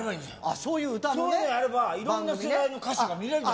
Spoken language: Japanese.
そういうのやれば、いろんな世代の歌手が見られるじゃん。